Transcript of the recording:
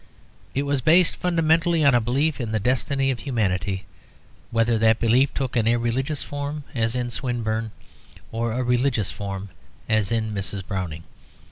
It was based fundamentally on a belief in the destiny of humanity, whether that belief took an irreligious form, as in Swinburne, or a religious form, as in Mrs. Browning.